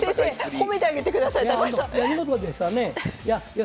褒めてあげてください高橋さん。